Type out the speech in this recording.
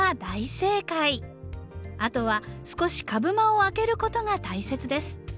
あとは少し株間を空けることが大切です。